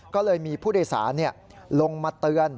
ก็เลยมีผู้โดยสารลงมาเตือน